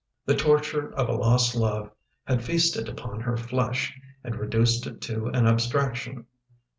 The torture of a lost love had feasted upon her flesh and reduced it to an abstraction.